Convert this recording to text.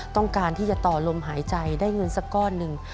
ต้องการที่จะต่อลมหายใจได้เงินสักก้อนหนึ่ง